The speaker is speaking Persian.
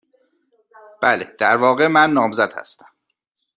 بله. در واقع، من نامزد هستم.